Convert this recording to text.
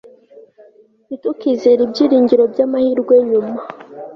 ntitukizere ibyiringiro byamahirwe nyuma